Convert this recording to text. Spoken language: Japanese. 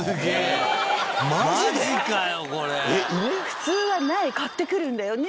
普通は苗買ってくるんだよね？